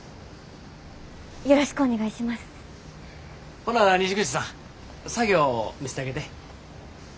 ほな西口さん作業見せたげて。